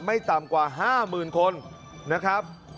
ไม่ต่ำกว่าห้าหมื่นคนนะครับ